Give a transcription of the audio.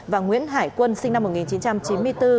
và nguyễn hải quân sinh năm một nghìn chín trăm chín mươi bốn